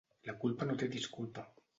La culpa no té disculpa.